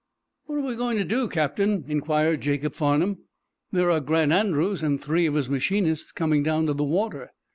"What are we going to do, Captain?" inquired Jacob Farnum. "There are Grant Andrews and three of his machinists coming down to the water."